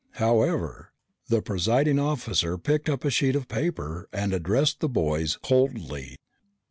However, the presiding officer picked up a sheet of paper and addressed the boys coldly.